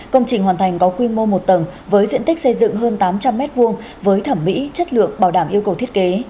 công trình hoàn thành có quy mô một tầng với diện tích xây dựng hơn tám trăm linh m hai với thẩm mỹ chất lượng bảo đảm yêu cầu thiết kế